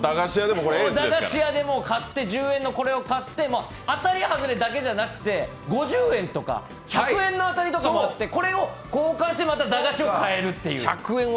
駄菓子屋で１０円のこれを買って、当たり外れだけじゃなくて５０円とか１００円の当たりとかもあって、これを交換してまた買えるという。